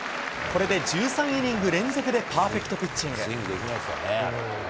これで１３イニング連続でパーフェクトピッチング。